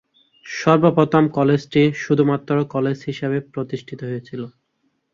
সর্বপ্রথম কলেজটি শুধুমাত্র কলেজ হিসেবে প্রতিষ্ঠিত হয়েছিল।